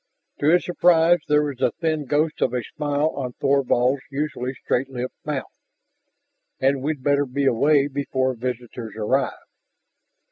To his surprise there was a thin ghost of a smile on Thorvald's usually straight lipped mouth. "And we'd better be away before visitors arrive?"